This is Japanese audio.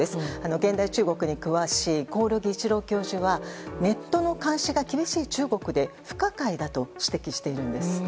現代中国に詳しい興梠一郎教授はネットの監視が厳しい中国で不可解だと指摘しているんです。